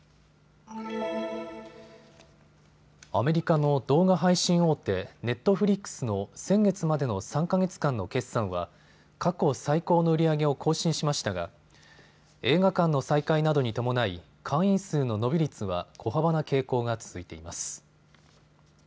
アメリカの動画配信大手、ネットフリックスの先月までの３か月間の決算は過去最高の売り上げを更新しましたが映画館の再開などに伴い会員数の伸び率は小幅な傾向が続いています。